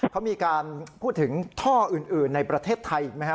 เขามีการพูดถึงท่ออื่นในประเทศไทยอีกไหมครับ